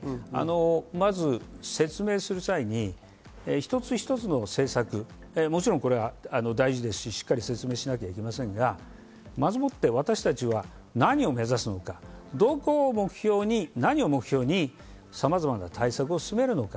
まず説明する際に、一つ一つの政策、もちろんこれは大事ですし、しっかり説明しなければいけませんが、まずもって私たちはどこを目標にさまざまな対策を進めるのか。